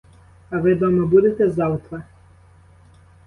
А ви дома будете завтра?